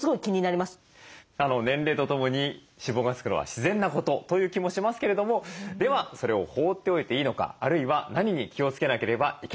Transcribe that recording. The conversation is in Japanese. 年齢とともに脂肪がつくのは自然なことという気もしますけれどもではそれを放っておいていいのかあるいは何に気をつけなければいけないのか